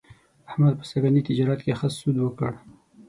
احمد په سږني تجارت کې ښه سود وکړ.